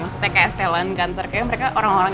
maksudnya kayak estelan kantor kayaknya mereka orang orang